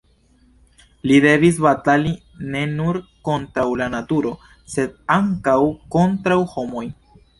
Li devis batali ne nur kontraŭ la naturo, sed ankaŭ kontraŭ homoj.